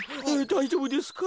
だいじょうぶですか？